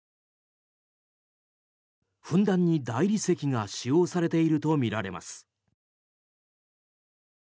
ふんだんに大理石が使用されているとみられます。